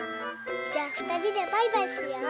じゃあふたりでバイバイしよう。